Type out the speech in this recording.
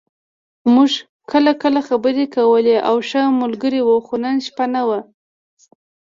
موږ کله کله خبرې کولې او ښه ملګري وو، خو نن شپه نه و.